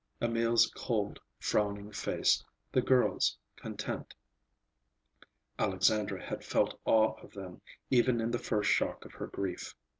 Emil's cold, frowning face, the girl's content—Alexandra had felt awe of them, even in the first shock of her grief.